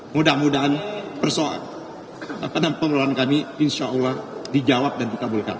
mudah mudahan persoalan pengelolaan kami insya allah dijawab dan dikabulkan